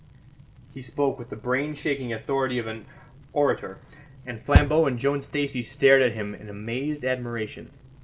He spoke with the brain shaking authority of an orator, and Flambeau and Joan Stacey stared at him in amazed admiration.